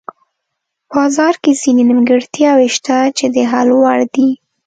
بازار کې ځینې نیمګړتیاوې شته چې د حل وړ دي.